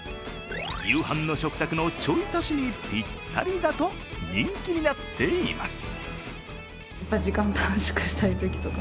夕飯の食卓のちょい足しにぴったりだと人気になっています。